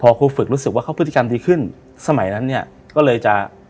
พอครูฝึกรู้สึกว่าเขาพฤติกรรมดีขึ้นสมัยนั้นเนี่ยก็เลยจะ